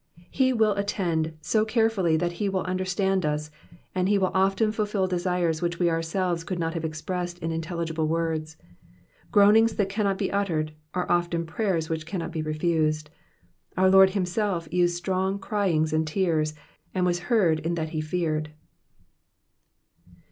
He will attend so carefully that he will understand us, and he will often fulfil desires which we ourselves could not have expressed in intelligible words. Groanings that cannot be uttered, '^ are often prayers which cannot be refused. Our Lord himself used strong cryings and tears, and was heard in that he feared.